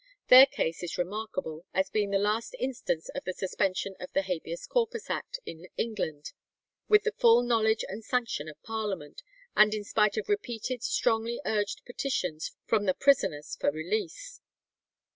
Their case is remarkable, as being the last instance of the suspension of the Habeas Corpus Act in England, with the full knowledge and sanction of Parliament, and in spite of repeated strongly urged petitions from the prisoners for release.